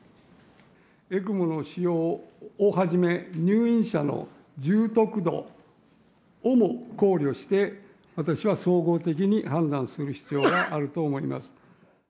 ＥＣＭＯの使用をはじめ、入院者の重篤度をも考慮して、私は総合的に判断する必要があると思います。